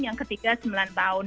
yang ketiga sembilan tahun